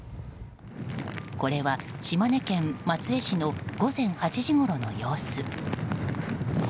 これは島根県松江市の午前８時ごろの様子。